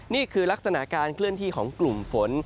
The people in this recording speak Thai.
นี่คือลักษณะการเคลื่อนที่ของกลุ่มฝน